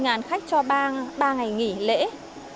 tại đây du khách được trải nghiệm những dây bàn